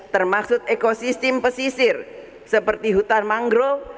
termasuk ekosistem pesisir seperti hutan mangrove